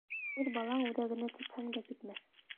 Үҙ балаң үҙәгенә типһәң дә китмәҫ.